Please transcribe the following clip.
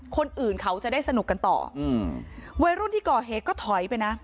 คนอื่นเขาจะได้สนุกกันต่ออืมวัยรุ่นที่ก่อเหตุก็ถอยไปนะ